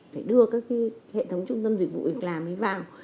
để đưa các cái hệ thống trung tâm dịch vụ việc làm ấy vào